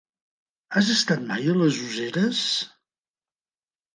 Has estat mai a les Useres?